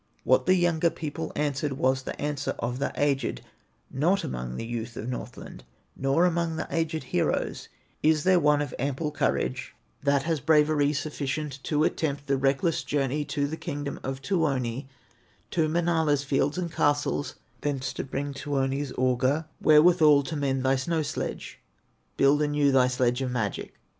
What the younger people answered Was the answer of the aged: "Not among the youth of Northland, Nor among the aged heroes, Is there one of ample courage, That has bravery sufficient, To attempt the reckless journey To the kingdom of Tuoni, To Manala's fields and castles, Thence to bring Tuoni's auger, Wherewithal to mend thy snow sledge, Build anew thy sledge of magic."